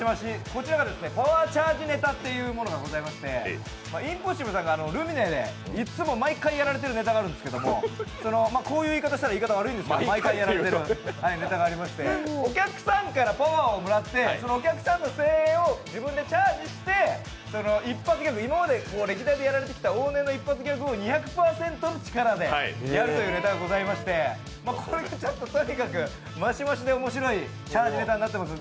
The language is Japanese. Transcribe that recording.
こちらがパワーチャージネタというものがございまして、インポッシブルさんがルミネで毎回やられているネタがあるんですけどこういう言い方したら、言い方悪いんですが、毎回やられているネタがあってお客さんからパワーをもらって、そのお客さんのパワーを自分でチャージして一発ギャグ、歴代やられてきた往年の一発ギャグを２００％の力でやるというネタがございましてこれがとにかくマシマシで面白いチャージネタになってます